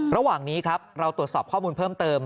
ระหว่างนี้ครับเราตรวจสอบข้อมูลเพิ่มเติม